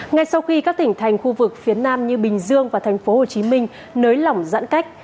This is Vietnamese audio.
ngay sau khi các tỉnh thành khu vực phía nam như bình dương và tp hcm nới lỏng giãn cách